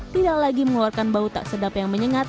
tidak lagi mengeluarkan bau tak sedap yang menyengat